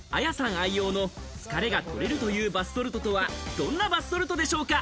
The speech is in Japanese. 愛用の疲れが取れるというバスソルトはどんなバスソルトでしょうか？